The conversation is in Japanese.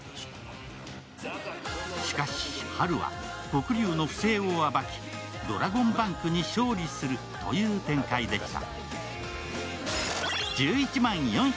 しかし、ハルは黒龍の不正を暴きドラゴンバンクに勝利するという展開でした。